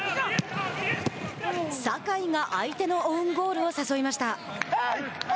酒井が相手のオウンゴールを誘いました。